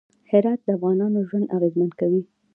هرات د افغانانو ژوند اغېزمن کوي.